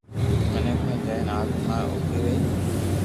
مينک ني جائي آتما اوبي رھئي